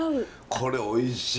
これおいしい。